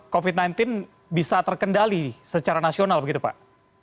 covid sembilan belas bisa terkendali secara nasional begitu pak